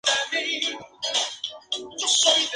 Su madre murió al darle a luz.